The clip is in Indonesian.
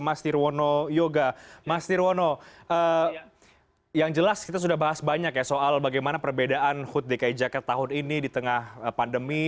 mas sirono yang jelas kita sudah bahas banyak ya soal bagaimana perbedaan hood dki jakarta tahun ini di tengah pandemi